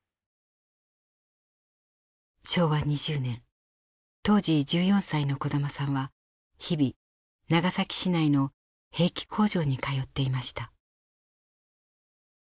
昭和２０年当時１４歳の小玉さんは日々長崎市内の兵器工場に通っていました。